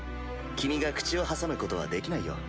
君が口を挟むことはできないよ。